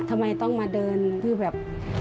ทำไมต้องมาเดินคือแบบ